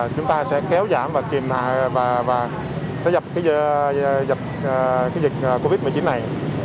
chúng ta sẽ kéo giảm và kiềm hạ và sẽ dập dịch covid một mươi chín này